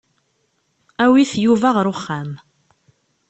Awit Yuba ɣer uxxam.